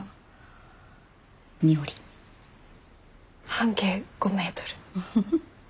半径５メートル。